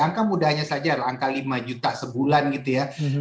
angka mudahnya saja adalah angka lima juta sebulan gitu ya